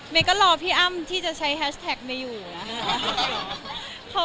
ก็รอพี่อ้ำที่จะใช้แฮชแท็กเมย์อยู่นะคะ